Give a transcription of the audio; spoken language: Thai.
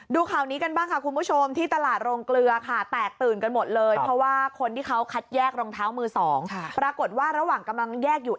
ดูข่าวนี้กันบ้างค่ะคุณผู้ชมที่ตลาดโรงเกลือค่ะแตกตื่นกันหมดเลยเพราะว่าคนที่เขาคัดแยกรองเท้ามือสองปรากฏว่าระหว่างกำลังแยกอยู่